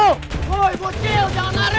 woi bocil jangan lari